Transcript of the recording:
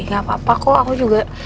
gak apa apa kok aku juga